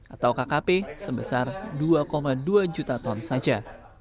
atau kkp sebesar dua dua juta ton saja